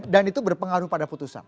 dan itu berpengaruh pada putusan